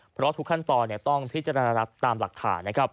เพราะทุกขั้นตอนต้องพิจารณารับตามหลักฐานนะครับ